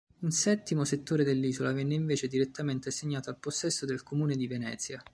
Un settimo settore dell'isola venne invece direttamente assegnato al possesso del Comune di Venezia.